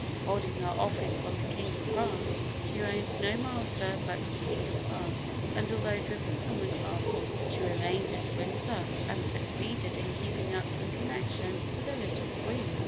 'Holding her office from the King of France, she owned no master but the King of France;' and although driven from the Castle, she remained at Windsor, and succeeded in keeping up some connection with the little Queen.